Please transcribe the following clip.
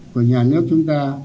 của nhà nước chúng ta